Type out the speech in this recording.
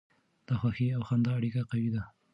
د خوښۍ او خندا اړیکه قوي ده.